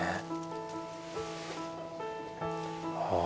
ああ。